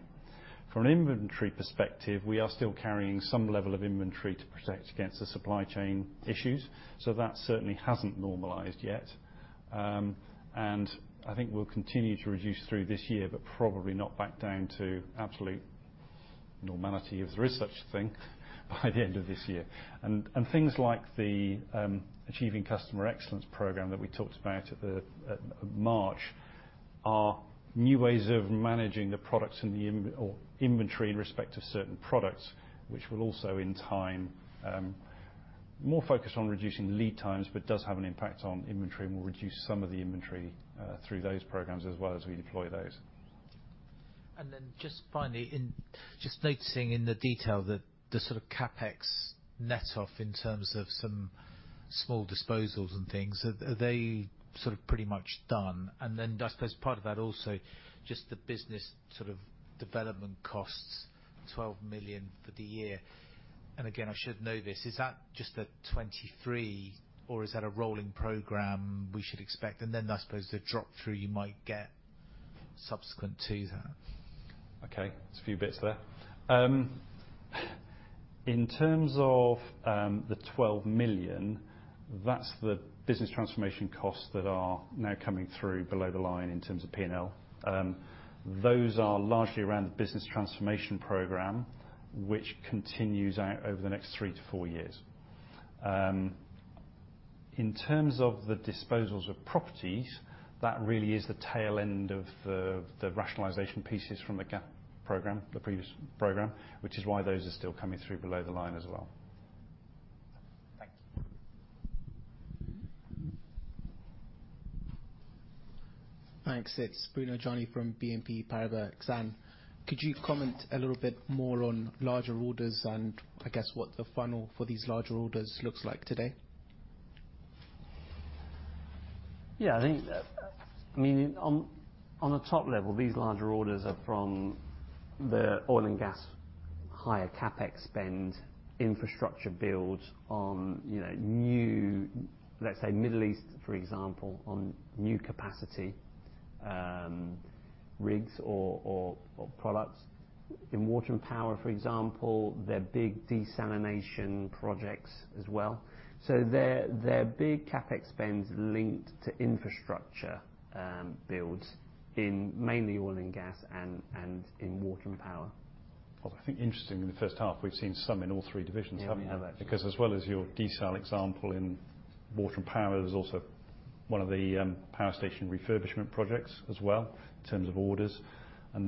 From an inventory perspective, we are still carrying some level of inventory to protect against the supply chain challenges, so that certainly hasn't normalized yet. And I think we'll continue to reduce through this year, but probably not back down to absolute normality, if there is such a thing, by the end of this year. Things like the Achieving Customer Excellence program that we talked about at March, are new ways of managing the products or inventory in respect to certain products, which will also, in time, more focused on reducing lead times, but does have an impact on inventory and will reduce some of the inventory through those programs as well as we deploy those. Just finally, in, just noticing in the detail that the sort of CapEx net off in terms of some small disposals and things, are, are they sort of pretty much done? I suppose, part of that also, just the business sort of development costs, 12 million for the year. Again, I should know this, is that just a 2023, or is that a rolling program we should expect? I suppose, the drop-through, you might get subsequent to that. Okay, there's a few bits there. In terms of the 12 million, that's the business transformation costs that are now coming through below the line in terms of P&L. Those are largely around the business transformation program, which continues out over the next 3 to 4 years. In terms of the disposals of properties, that really is the tail end of the rationalization pieces from the GAP program, the previous program, which is why those are still coming through below the line as well. Thank you. Thanks. It's Bruno Gagliani yeah, I think, I mean, on, on the top level, these larger orders are from the oil and gas, higher CapEx spend, infrastructure build on, you know, new, let's say, Middle East, for example, on new capacity, rigs or, or, or products. In water and power, for example, they're big desalination projects as well. They're, they're big CapEx spends linked to infrastructure, builds in mainly oil and gas and, and in water and power. I think interestingly, in the first half, we've seen some in all three divisions, haven't we? Yeah. As well as your desal example in water and power, there's also one of the power station refurbishment projects as well, in terms of orders. In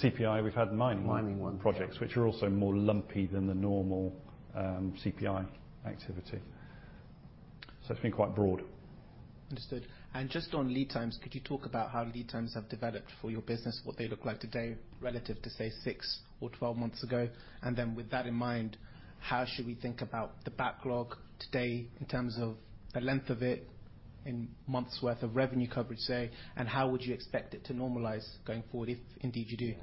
CPI, we've had mining. Mining one. projects, which are also more lumpy than the normal, CPI activity. It's been quite broad. Understood. Just on lead times, could you talk about how lead times have developed for your business, what they look like today relative to, say, six or 12 months ago? With that in mind, how should we think about the backlog today in terms of the length of it, in months' worth of revenue coverage, say, and how would you expect it to normalize going forward, if indeed you do?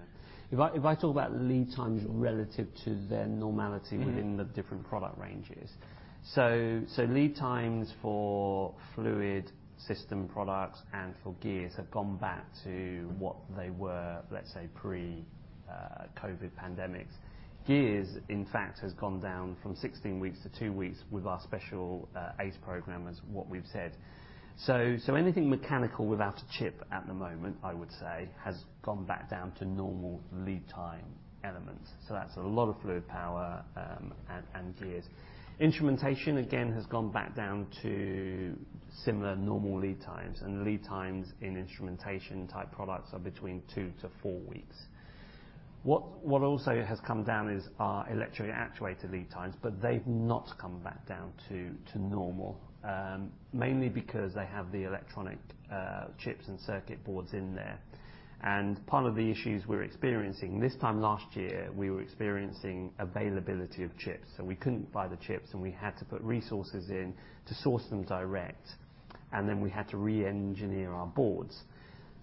If I, if I talk about lead times relative to their normality- Mm-hmm. within the different product ranges. Lead times for fluid system products and for gears have gone back to what they were, let's say, pre COVID pandemics. Gears, in fact, has gone down from 16 weeks to 2 weeks with our special ACE program, as what we've said. Anything mechanical without a chip at the moment, I would say, has gone back down to normal lead time elements. That's a lot of fluid power, and gears. Instrumentation, again, has gone back down to similar normal lead times, and lead times in instrumentation-type products are between 2-4 weeks. What, what also has come down is our electro-actuator lead times, but they've not come back down to normal. Mainly because they have the electronic chips and circuit boards in there. Part of the issues we're experiencing, this time last year, we were experiencing availability of chips, so we couldn't buy the chips, and we had to put resources in to source them direct, and then we had to re-engineer our boards.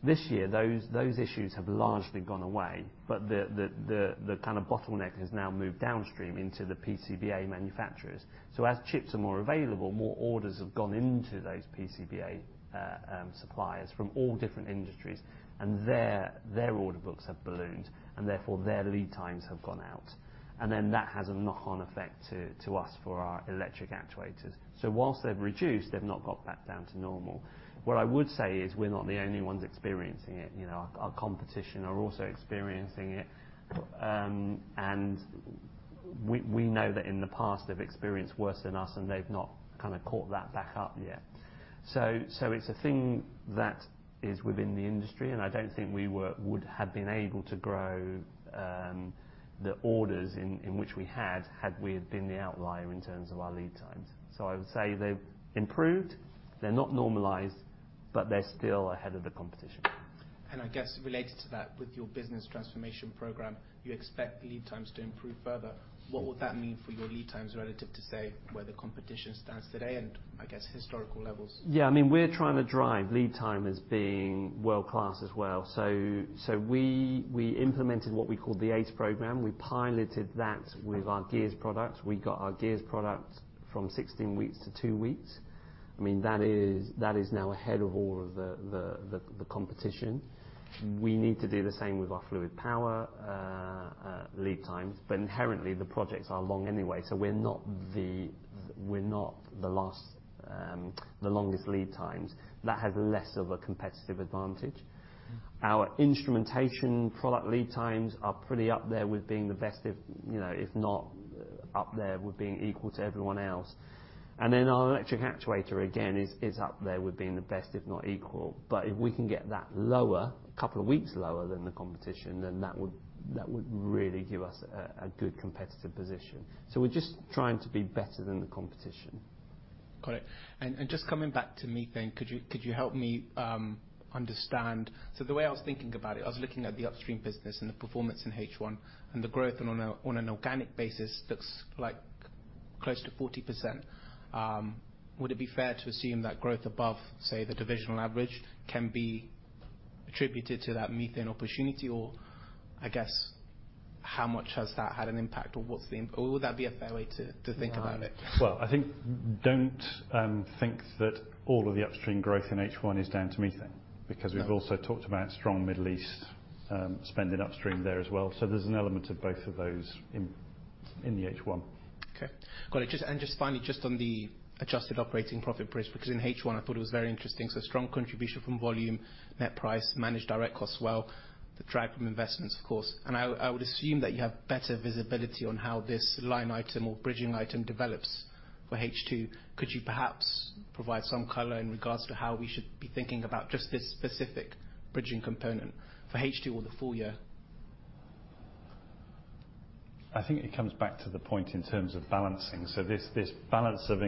This year, those issues have largely gone away, the kind of bottleneck has now moved downstream into the PCBA manufacturers. As chips are more available, more orders have gone into those PCBA suppliers from all different industries, and their order books have ballooned, and therefore their lead times have gone out. Then that has a knock-on effect to us for our electric actuators. Whilst they've reduced, they've not got back down to normal. What I would say is we're not the only ones experiencing it, you know, our competition are also experiencing it. We, we know that in the past, they've experienced worse than us, and they've not kind of caught that back up yet. So it's a thing that is within the industry, and I don't think we would have been able to grow, the orders in, in which we had, had we had been the outlier in terms of our lead times. I would say they've improved, they're not normalized, but they're still ahead of the competition. I guess related to that, with your business transformation program, you expect lead times to improve further. What would that mean for your lead times relative to, say, where the competition stands today and, I guess, historical levels? Yeah, I mean, we're trying to drive lead time as being world-class as well. We implemented what we call the ACE program. We piloted that with our gears products. We got our gears products from 16 weeks to 2 weeks. I mean, that is now ahead of all of the competition. We need to do the same with our fluid power lead times, but inherently, the projects are long anyway, so we're not the longest lead times. That has less of a competitive advantage. Our instrumentation product lead times are pretty up there with being the best, if, you know, if not up there with being equal to everyone else. Our electric actuator, again, is up there with being the best, if not equal. If we can get that lower, a couple of weeks lower than the competition, then that would, that would really give us a good competitive position. We're just trying to be better than the competition. Got it. And just coming back to methane, could you, could you help me understand... The way I was thinking about it, I was looking at the upstream business and the performance in H1, and the growth on an organic basis, looks like close to 40%. Would it be fair to assume that growth above, say, the divisional average, can be attributed to that methane opportunity? I guess, how much has that had an impact or what's the impact or would that be a fair way to, to think about it? Well, I think don't, think that all of the upstream growth in H1 is down to methane- No... because we've also talked about strong Middle East, spend in upstream there as well. There's an element of both of those in, in the H1. Okay, got it. Just, just finally, just on the adjusted operating profit bridge, because in H1, I thought it was very interesting. Strong contribution from volume, net price, managed direct costs well, the drag from investments, of course. I, I would assume that you have better visibility on how this line item or bridging item develops for H2. Could you perhaps provide some color in regards to how we should be thinking about just this specific bridging component for H2 or the full year? I think it comes back to the point in terms of balancing. This balance of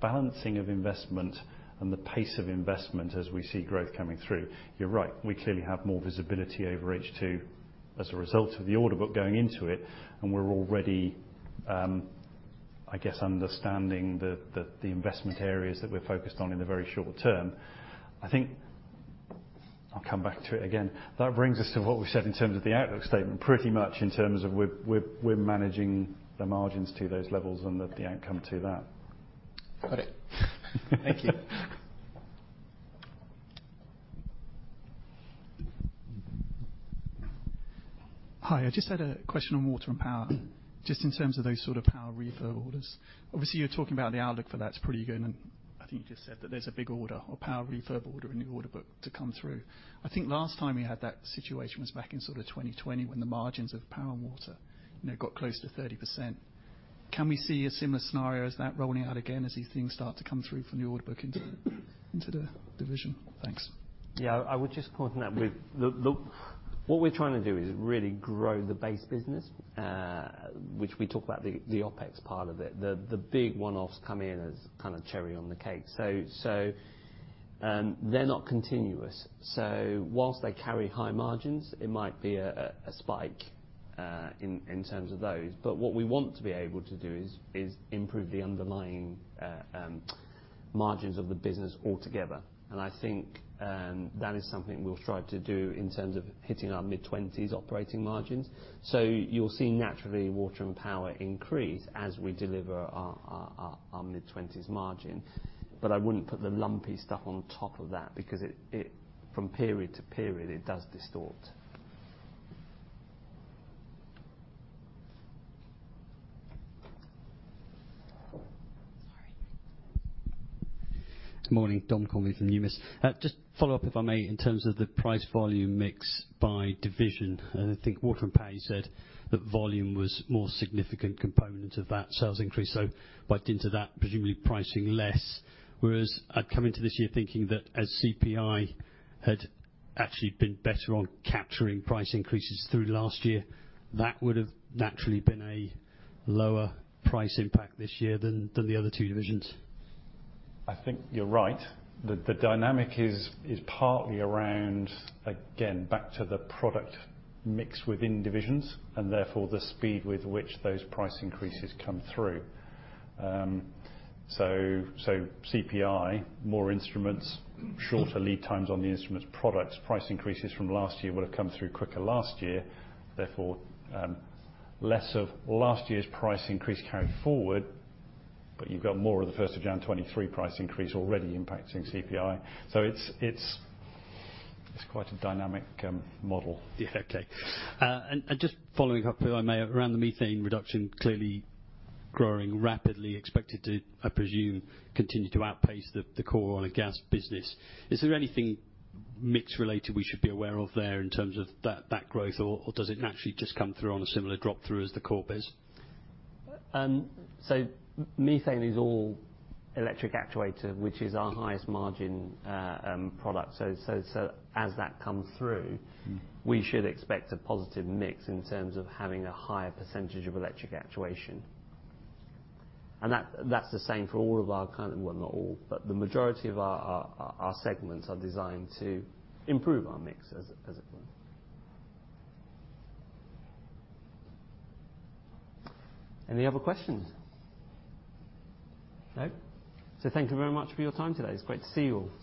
balancing of investment and the pace of investment as we see growth coming through. You're right, we clearly have more visibility over H2 as a result of the order book going into it, and we're already, I guess, understanding the investment areas that we're focused on in the very short term. I think I'll come back to it again. That brings us to what we said in terms of the outlook statement, pretty much in terms of we're managing the margins to those levels and the outcome to that. Got it. Thank you. Hi, I just had a question on water and power. Just in terms of those sort of power refurb orders. Obviously, you're talking about the outlook for that's pretty good, and I think you just said that there's a big order or power refurb order in the order book to come through. I think last time we had that situation was back in sort of 2020, when the margins of power and water, you know, got close to 30%. Can we see a similar scenario as that rolling out again as these things start to come through from the order book into the, into the division? Thanks. Yeah, I would just point out with what we're trying to do is really grow the base business, which we talk about the OpEx part of it. The big one-offs come in as kind of cherry on the cake. They're not continuous. Whilst they carry high margins, it might be a, a, a spike in terms of those, but what we want to be able to do is, is improve the underlying margins of the business altogether. I think that is something we'll strive to do in terms of hitting our mid-twenties operating margins. You'll see naturally, water and power increase as we deliver our, our, our, our mid-twenties margin. I wouldn't put the lumpy stuff on top of that, because it, it, from period to period, it does distort. Sorry. Good morning. Dominic Convey from Numis. Just follow up, if I may, in terms of the price volume mix by division. I think water and power, you said that volume was more significant component of that sales increase, so wiped into that, presumably pricing less. Whereas I'd come into this year thinking that as CPI had actually been better on capturing price increases through last year, that would've naturally been a lower price impact this year than, than the other two divisions. I think you're right. The, the dynamic is, is partly around, again, back to the product mix within divisions, and therefore, the speed with which those price increases come through. So CPI, more instruments, shorter lead times on the instruments, products, price increases from last year would have come through quicker last year, therefore, less of last year's price increase carried forward, but you've got more of the first of January 2023 price increase already impacting CPI. It's, it's, it's quite a dynamic model. Yeah, okay. just following up, if I may, around the methane reduction, clearly growing rapidly, expected to, I presume, continue to outpace the core oil and gas business. Is there anything mix-related we should be aware of there in terms of that growth, or does it naturally just come through on a similar drop-through as the core biz? So methane is all electric actuator, which is our highest margin, product. So, so as that comes through- Mm-hmm... we should expect a positive mix in terms of having a higher percentage of electric actuation. That, that's the same for all of our. Well, not all, but the majority of our segments are designed to improve our mix as, as it were. Any other questions? No. Thank you very much for your time today. It's great to see you all.